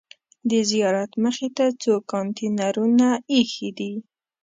د زیارت مخې ته څو کانتینرونه ایښي دي.